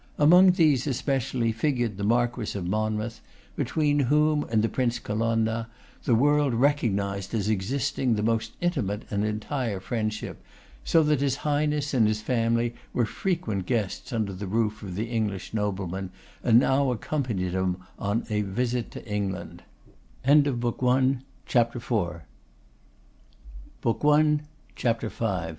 Among these especially figured the Marquess of Monmouth, between whom and Prince Colonna the world recognised as existing the most intimate and entire friendship, so that his Highness and his family were frequent guests under the roof of the English nobleman, and now accompanied him on a visit to England. CHAPTER V.